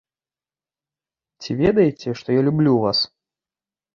Ці ведаеце, што я люблю вас?